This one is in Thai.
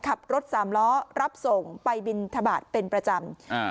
ขับรถสามล้อรับส่งไปบินทบาทเป็นประจำอ่า